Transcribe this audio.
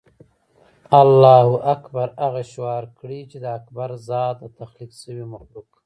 الله اکبر هغه شعار کړي چې د اکبر ذات د تخلیق شوي مخلوق.